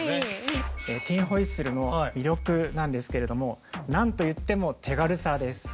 ティン・ホイッスルの魅力なんですけれどもなんといっても手軽さです。